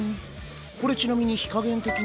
これちなみに火加減的には？